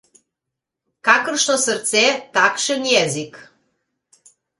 Kakršno srce, takšen jezik.